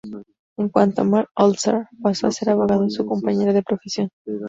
En cuanto a Mark Holzer, pasó a ser abogado de su compañera de profesión.